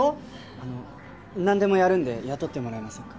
あの何でもやるんで雇ってもらえませんか・